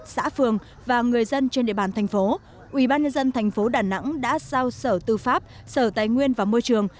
xã phường và người dân trên địa bàn thành phố ubnd tp đà nẵng đã giao sở tư pháp sở tài nguyên và môi trường